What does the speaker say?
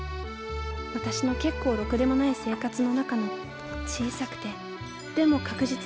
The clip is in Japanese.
私の結構ろくでもない生活の中の小さくてでも確実な光だった。